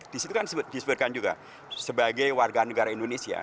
di situ kan disebutkan juga sebagai warga negara indonesia